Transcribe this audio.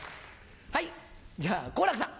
はいじゃあ好楽さん。